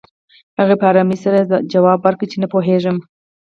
هغې په ارامۍ سره ځواب ورکړ چې نه پوهېږم